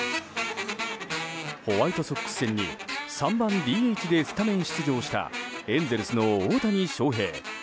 ホワイトソックス戦に３番ＤＨでスタメン出場したエンゼルスの大谷翔平。